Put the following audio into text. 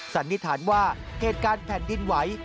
สันนิษฐานว่าเหตุการณ์แผ่นดินไหว